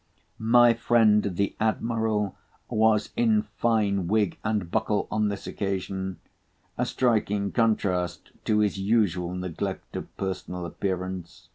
My friend the admiral was in fine wig and buckle on this occasion—a striking contrast to his usual neglect of personal appearance.